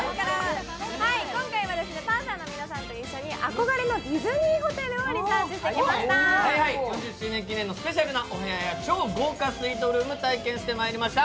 今回はパンサーの皆さんと一緒に憧れのディズニーホテルを４０周年記念のスペシャルなお部屋や超豪華スイートルームを体験してまいりました。